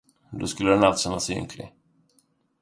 Då skulle den allt känna sig ynklig.